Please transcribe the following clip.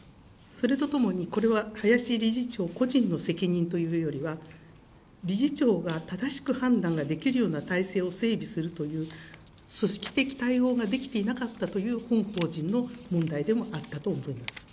それとともに、これは林理事長個人の責任というよりは、理事長が正しく判断ができるような体制を整備するという組織的対応ができていなかったという本法人の問題でもあったと思います。